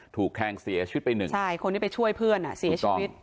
ถูกแทงเสียชีวิตไปหนึ่งใช่คนที่ไปช่วยเพื่อนอ่ะเสียชีวิต